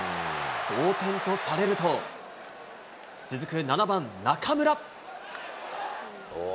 同点とされると、続く７番中村。